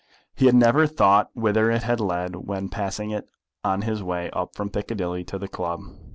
He had never thought whither it had led when passing it on his way up from Piccadilly to the club.